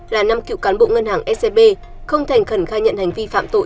là năm cựu cán bộ ngân hàng scb không thành khẩn khai nhận hành vi phạm tội